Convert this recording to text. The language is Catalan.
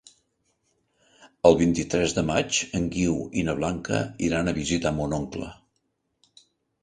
El vint-i-tres de maig en Guiu i na Blanca iran a visitar mon oncle.